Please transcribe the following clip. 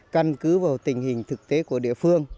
căn cứ vào tình hình thực tế của địa phương